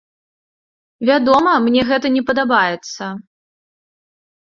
Вядома, мне гэта не падабаецца.